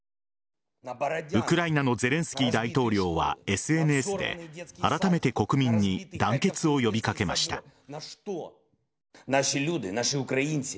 ウクライナのゼレンスキー大統領はＳＮＳであらためて国民に団結を呼び掛けました。